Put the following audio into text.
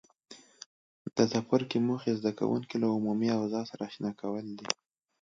د څپرکي موخې زده کوونکي له عمومي اوضاع سره آشنا کول دي.